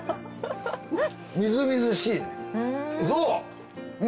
みずみずしいね。